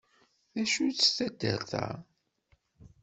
D acu-tt taddart-a?